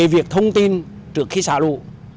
việc thông tin trước khi xá lụ